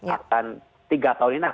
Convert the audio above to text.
akan tiga tahun ini